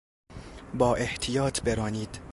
با احتیاط برانید!